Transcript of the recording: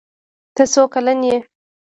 ته څو کلن یې؟